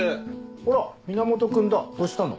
あら源君だどしたの？